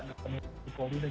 dan juga relawan